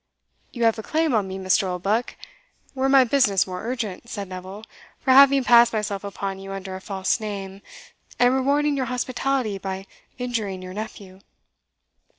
"You have a claim on me, Mr. Oldbuck, were my business more urgent," said Neville, "for having passed myself upon you under a false name, and rewarding your hospitality by injuring your nephew."